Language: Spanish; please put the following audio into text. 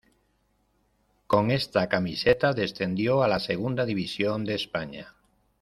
Con esta camiseta descendió a la segunda división de España.